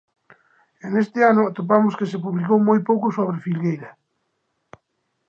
E neste ano atopamos que se publicou moi pouco sobre Filgueira.